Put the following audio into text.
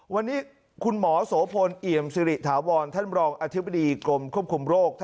วันนี้คุณหมอโสพลเอี่ยมสิริถาวรท่านรองอธิบดีกรมควบคุมโรค